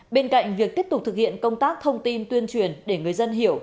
bên cạnh việc tiếp tục thực hiện công tác thông tin tuyên truyền để người dân hiểu